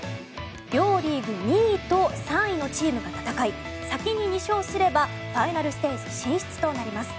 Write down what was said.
両リーグ２位と３位のチームが戦い先に２勝すればファイナルステージ進出となります。